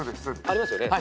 ありますよね。